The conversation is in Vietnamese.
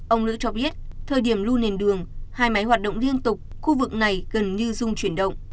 ông lữ cho biết thời điểm lưu nền đường hai máy hoạt động liên tục khu vực này gần như dung chuyển động